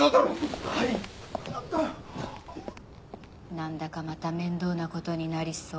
なんだかまた面倒な事になりそう。